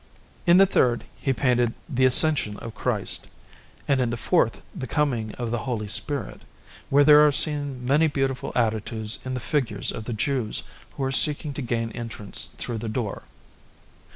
In the third he painted the Ascension of Christ, and in the fourth the coming of the Holy Spirit, where there are seen many beautiful attitudes in the figures of the Jews who are seeking to gain entrance through the door.